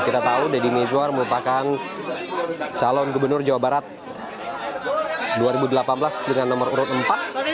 kita tahu deddy mizwar merupakan calon gubernur jawa barat dua ribu delapan belas dengan nomor urut empat